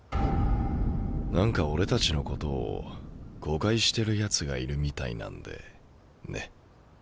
何か俺たちのことを誤解してるやつがいるみたいなんでね。